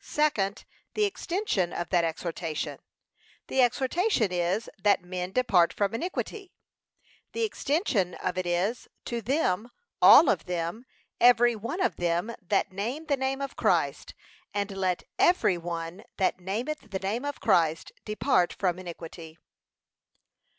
SECOND, The extension of that exhortation. The exhortation is, That men depart from iniquity. The extension of it is, to them, all of them, every one of them that name the name of Christ. 'And let every one that nameth the name of Christ, depart from iniquity.'